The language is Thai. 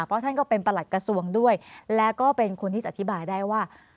เพราะท่านก็เป็นประหลัดกระทรวงด้วยแล้วก็เป็นคนที่อธิบายได้ว่า